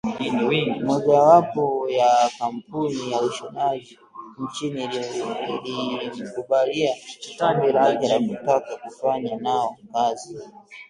Mojawapo wa kampuni ya ushonaji nchini ilimkubalia ombi lake la kutaka kufanya nao kazi